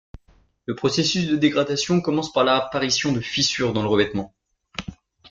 Le processus de dégradation commence par l'apparition de fissures dans le revêtement.